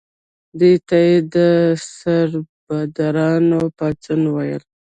دې ته یې د سربدارانو پاڅون ویل.